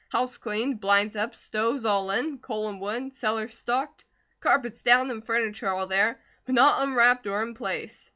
"House cleaned, blinds up, stoves all in, coal and wood, cellar stocked, carpets down, and furniture all there, but not unwrapped or in place.